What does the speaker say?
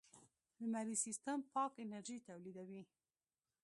لمریز سیستم پاک انرژي تولیدوي.